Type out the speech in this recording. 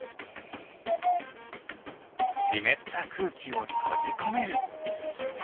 しめったくうきをとじこめる。